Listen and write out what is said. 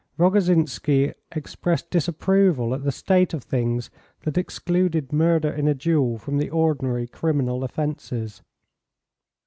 Rogozhinsky expressed disapproval at the state of things that excluded murder in a duel from the ordinary criminal offences.